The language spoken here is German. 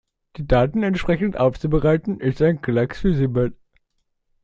Die Daten entsprechend aufzubereiten, ist ein Klacks für Siebert.